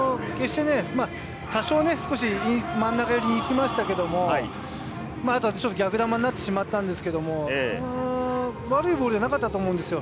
多少真ん中寄りに行きましたけれど、ちょっと逆球になってしまったんですけれど、悪いボールじゃなかったと思うんですよ。